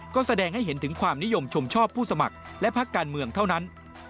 ก็แสดงให้เห็นถึงความนิยมชมชอบผู้สมัครและพักการเมืองเท่านั้น